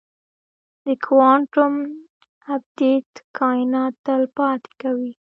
د کوانټم ابدیت کائنات تل پاتې کوي.